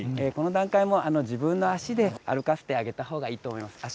この段階も自分の足で歩かせてあげたほうがいいと思います。